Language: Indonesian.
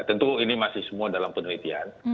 tentu ini masih semua dalam penelitian